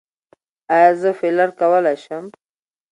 ایا زه فیلر کولی شم؟